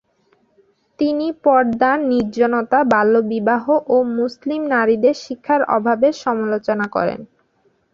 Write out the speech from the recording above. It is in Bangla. তিনি পর্দা, নির্জনতা, বাল্যবিবাহ ও মুসলিম নারীদের শিক্ষার অভাবের সমালোচনা করেন।